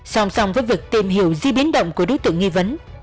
song song với việc tìm hiểu di biến động của đối tượng nghi vấn